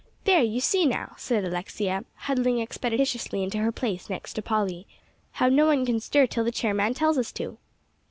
"There, you see now," said Alexia, huddling expeditiously into her place next to Polly, "how no one can stir till the chairman tells us to."